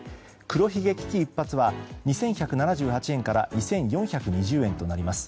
黒ひげ危機一髪は２１７８円から２４２０円となります。